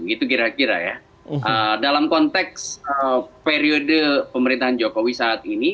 itu kira kira ya dalam konteks periode pemerintahan jokowi saat ini